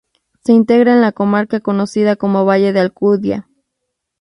Se integra en la comarca conocida como Valle de Alcudia.